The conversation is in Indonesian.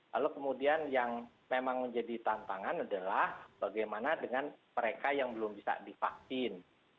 lalu kemudian yang memang menjadi tantangan adalah bagaimana dengan mereka yang belum bisa divaksin